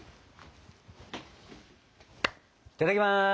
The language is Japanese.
いただきます！